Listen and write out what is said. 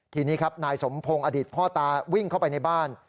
ทีนี้ครับนายสมพงศ์อดีตพ่อตาวิ่งเข้าไปในบ้าน